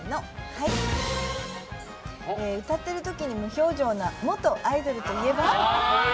歌っている時に無表情な元アイドルといえば？